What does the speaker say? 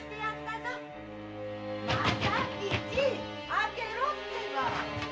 開けろってば！